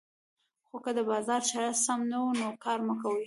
خو که د بازار شرایط سم نه وو نو کار کموي